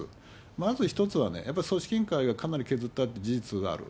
まず１つはね、やっぱり組織委員会がかなり削ったという事実がある。